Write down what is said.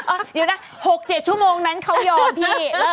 เดี๋ยวนะ๖๗ชั่วโมงนั้นเขายอมพี่